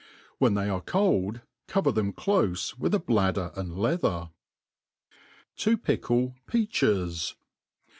When they are cold^ cover them clofe with a bladder and leather. TV pkkli Fiachis.